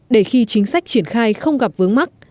để khi chính sách triển khai không gặp vướng mắt